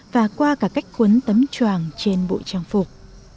và qua cả cách cuốn tấm chuàng trên bộ trang phục